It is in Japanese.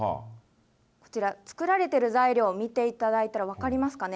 こちら、作られてる材料、見ていただいたら分かりますかね。